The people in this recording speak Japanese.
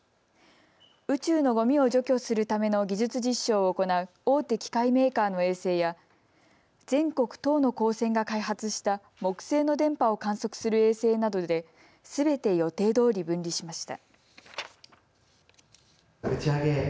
宇宙のごみを除去するための技術実証を行う大手機械メーカーの衛星や全国１０の高専が開発した木星の電波を観測する衛星などですべて予定どおり分離しました。